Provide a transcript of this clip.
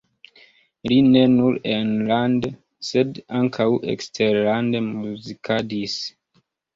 Li ne nur enlande, sed ankaŭ eksterlande muzikadis.